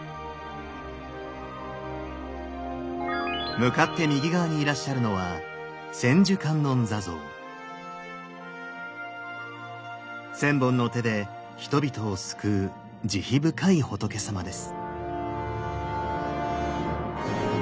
向かって右側にいらっしゃるのは千本の手で人々を救う慈悲深い仏さまです。